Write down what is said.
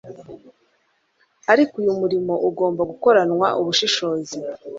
Ariko uyu murimo ugomba gukoranwa ubushishozi